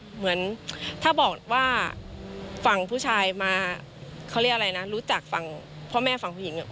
เหมือนถ้าบอกว่าฝั่งผู้ชายมาเขาเรียกอะไรนะรู้จักฝั่งพ่อแม่ฝั่งผู้หญิง